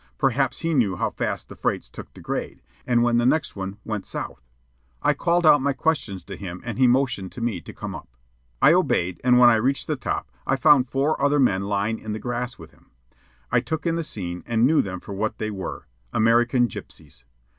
Perhaps he knew how fast the freights took the grade, and when the next one went south. I called out my questions to him, and he motioned to me to come up. I obeyed, and when I reached the top, I found four other men lying in the grass with him. I took in the scene and knew them for what they were American gypsies.